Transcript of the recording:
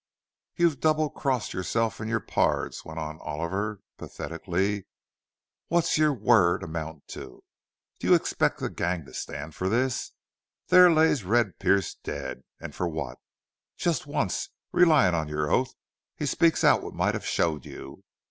"You've double crossed yourself an' your pards," went on Oliver, pathetically. "What's your word amount to? Do you expect the gang to stand for this?... There lays Red Pearce dead. An' for what? Jest once relyin' on your oath he speaks out what might have showed you.